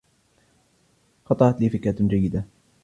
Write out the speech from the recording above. خطرت لي فكرة جيدة.